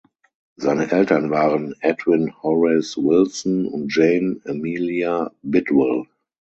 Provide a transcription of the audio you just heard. Seine Eltern waren Edwin Horace Wilson und Jane Amelia Bidwell.